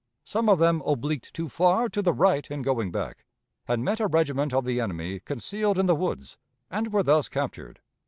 Some of them obliqued too far to the right in going back, and met a regiment of the enemy concealed in the woods, and were thus captured.